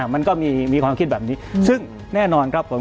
มันก็มีความคิดแบบนี้ซึ่งแน่นอนครับผม